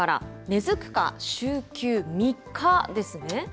根づくか、週休３日ですね。